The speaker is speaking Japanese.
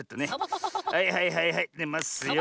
はいはいはいはいでますよ。